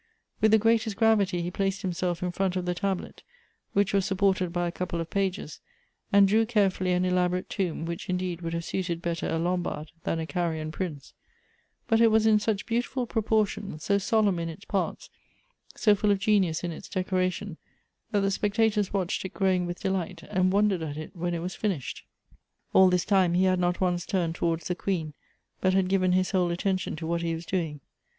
"With the greatest gravity he placed himself in front of the tablet, which was supported by a couple of pages, and drew carefully an elaborate tomb, which indeed would have suited better a Lombard than a Carian prince; but it was in such beautiful proportions, so solemn in its parts, so full of genius in its decoration, that the spectators watched it growing with delight, and wondered at it when it was finished. All this time he had not once turned towards the queen, but had given his whole attention to what he was doing.